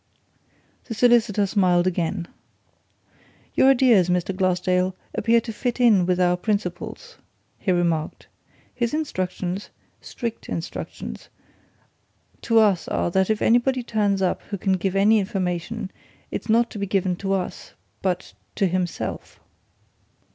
The solicitor smiled again. "Your ideas, Mr. Glassdale, appear to fit in with our principal's," he remarked. "His instructions strict instructions to us are that if anybody turns up who can give any information, it's not to be given to us, but to himself!"